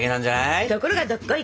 ところがどっこい！